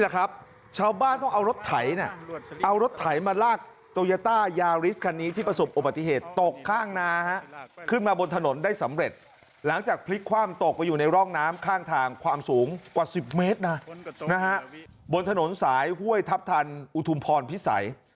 ข้างหนาขึ้นมาบนถนนได้สำเร็จหลังจากพลิกความตกไปอยู่ในร่องน้ำข้างทางความสูงกว่าสิบเมตรนะบนถนนสายห้วยทัพทันอุทุมพรพิษัย